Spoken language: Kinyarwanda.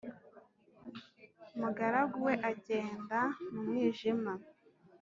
umugaragu we agenda mu mwijima